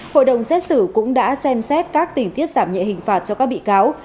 hội đồng xét xử cũng đã xem xét các tình tiết giảm nhẹ hình phạt cho các bị cáo